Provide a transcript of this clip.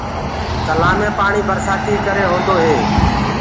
تلآه مي پآڻي برسآتي ڪري هوندو هي۔